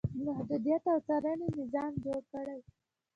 محدودیت او څارنې نظام جوړ کړي.